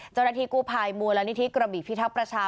เจ้าหน้าที่กู้ภัยมูลนิธิกระบี่พิทักษ์ประชา